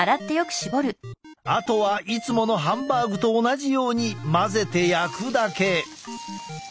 あとはいつものハンバーグと同じように混ぜて焼くだけ。